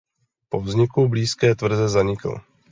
Po vzniku blízké tvrze zanikl.